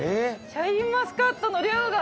シャインマスカットの量が。